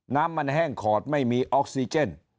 น้ำมันแห้งขอดไม่มีออกซิเจน